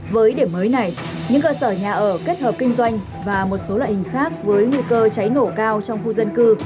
với điểm mới này những cơ sở nhà ở kết hợp kinh doanh và một số loại hình khác với nguy cơ cháy nổ cao trong khu dân cư